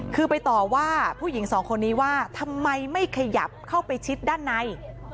คือไปต่อว่าผู้หญิงสองคนนี้ว่าทำไมไม่ขยับเข้าไปชิดด้านใน